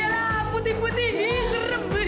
apusin putih ini serempit